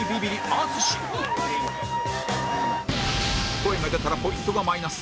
声が出たらポイントがマイナス